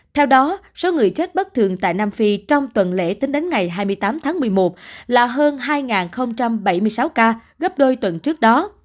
theo đó số người chết bất thường tại nam phi trong tuần lễ tính đến ngày hai mươi tám tháng một mươi một là hơn hai bảy mươi sáu ca gấp đôi tuần trước đó